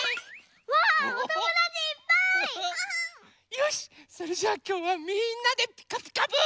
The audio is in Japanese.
よしそれじゃあきょうはみんなで「ピカピカブ！」。